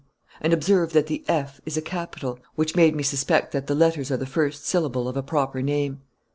And observe that the 'F' is a capital, which made me suspect that the letters are the first syllable of a proper name."